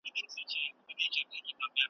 ساقي نن دي زما نوبت ته څنګه پام سو .